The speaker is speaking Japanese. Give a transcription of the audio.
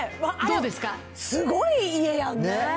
すごい家やんね。